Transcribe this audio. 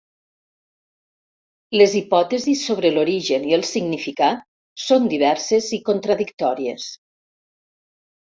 Les hipòtesis sobre l'origen i el significat són diverses i contradictòries.